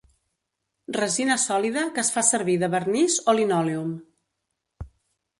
Resina sòlida que es fa servir de vernís o linòleum.